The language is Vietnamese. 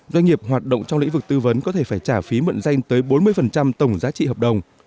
doanh nghiệp hoạt động trong lĩnh vực tư vấn có thể phải trả phí mượn danh tới bốn mươi tổng giá trị hợp đồng